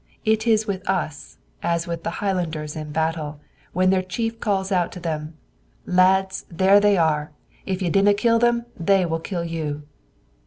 It is with us, as with the Highlanders in battle, when their chief called out to them, "Lads, there they are. If ye dinna kill them, they will kill you."